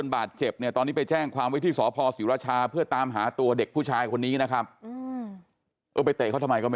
น่าจะใช้อันนี้ผมก็ไม่รู้ว่าเรื่องส่วนตัวของน้องเขา